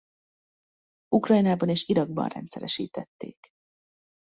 Ukrajnában és Irakban rendszeresítették.